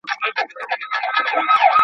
یوه ورځ به پلونه ګوري د پېړۍ د کاروانونو ..